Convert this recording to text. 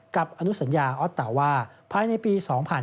กับอนุสัญญาอธวาฯภายในปี๒๕๖๖